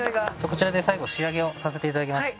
こちらで最後仕上げをさせていただきます。